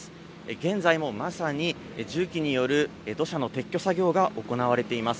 現在もまさに重機による土砂の撤去作業が行われています。